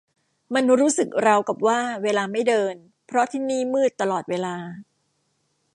มันรู้สึกราวกับว่าเวลาไม่เดิน เพราะที่นี่มืดตลอดเวลา